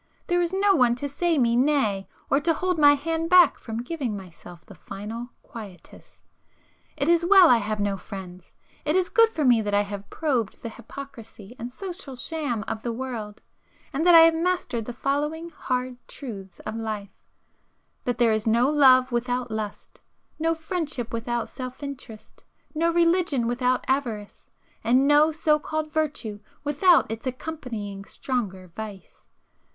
There is no one to say me nay, or to hold my hand back from giving myself the final quietus. It is well I have no friends; it is good for me that I have probed the hypocrisy and social sham of the world, and that I have mastered the following hard truths of life,—that there is no love without lust,—no friendship without self interest,—no religion without avarice,—and no so called virtue without its accompanying stronger vice.